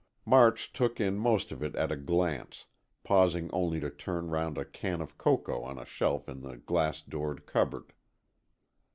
March took in most of it at a glance, pausing only to turn round a can of cocoa on a shelf in the glass doored cupboard.